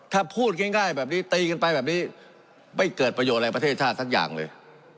ถ้าพูดง่ายแบบนี้ตีกันไปแบบนี้ไม่เกิดประโยชน์อะไรประเทศชาติสักอย่างเลย